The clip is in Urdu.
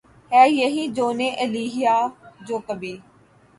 ہیں یہی جونؔ ایلیا جو کبھی